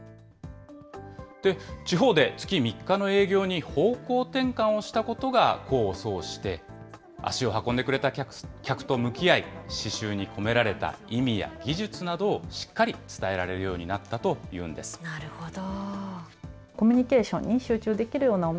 地方で月３日の営業に方向転換をしたことが功を奏して、足を運んでくれた客と向き合い、刺しゅうに込められた意味や技術などをしっかり伝えられるようになるほど。